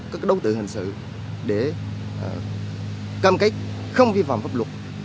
các đối tượng hành sự để cơm cách không vi phạm pháp luật